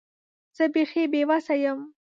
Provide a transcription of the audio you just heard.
زه بیخي بې وسه یم .